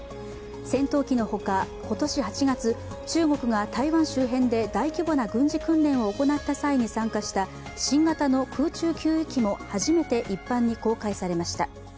戦闘機のほか、今年８月、中国が台湾周辺で大規模な軍事訓練を行った際に参加した新型の空中給油機も初めて一般に公開されました。